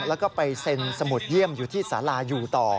แล้วก็ไปเซ็นสมุดเยี่ยมอยู่ที่สาราอยู่ต่อ